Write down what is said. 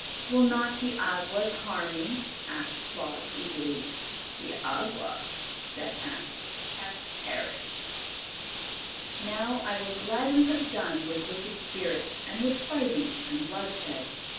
"Will not the Awgwas harm me?" asked Claus, eagerly. "The Awgwas," said Ak, "have perished!" Now I will gladly have done with wicked spirits and with fighting and bloodshed.